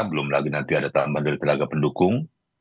belum lagi nanti ada tambahan dari tenaga pendukung